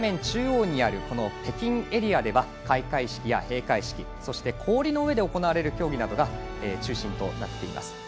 中央にある北京エリアでは開会式、閉会式そして氷の上で行われる競技が中心となっています。